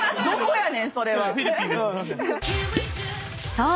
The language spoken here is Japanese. ［そう。